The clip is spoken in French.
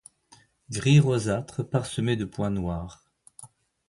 Gris rosâtre parsemée de points noirs.